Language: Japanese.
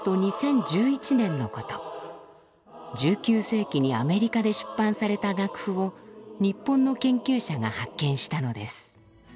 １９世紀にアメリカで出版された楽譜を日本の研究者が発見したのです。